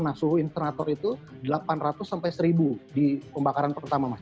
nah suhu interatur itu delapan ratus sampai seribu di pembakaran pertama mas